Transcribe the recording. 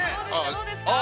◆どうですか？